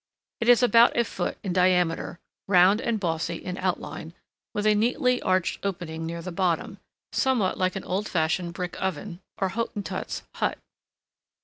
It is about a foot in diameter, round and bossy in outline, with a neatly arched opening near the bottom, somewhat like an old fashioned brick oven, or Hottentot's hut.